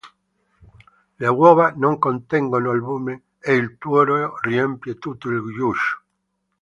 Le uova non contengono albume e il tuorlo riempie tutto il guscio.